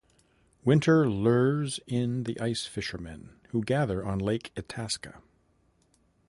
Winter lures in the ice fishermen, who gather on Lake Itasca.